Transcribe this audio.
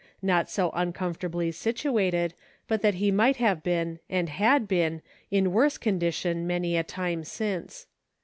Not so uncomfortably situated but that he might have been, and had been, in worse condition many a time since.